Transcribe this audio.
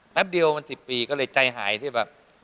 แป๊บเดียวมัน๑๐ปีก็เลยใจหายที่แบบ